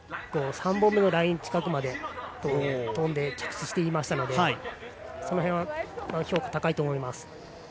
３本目のライン近くまでとんで、着地していましたのでその辺の評価は高いと思います。